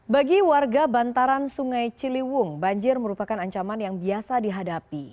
bagi warga bantaran sungai ciliwung banjir merupakan ancaman yang biasa dihadapi